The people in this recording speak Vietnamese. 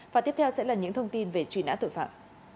và tiếp theo sẽ là những thông tin về truy nã tội phạm